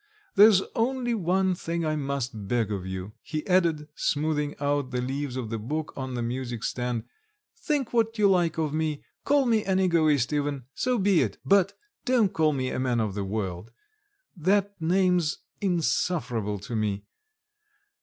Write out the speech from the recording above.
There's only one thing I must beg of you," he added, smoothing out the leaves of the book on the music stand, "think what you like of me, call me an egoist even so be it! but don't call me a man of the world; that name's insufferable to me....